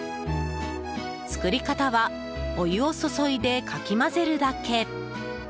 作り方はお湯を注いで、かき混ぜるだけ。